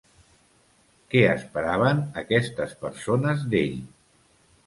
Què esperaven aquestes persones d"ell.